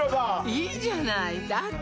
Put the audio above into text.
いいじゃないだって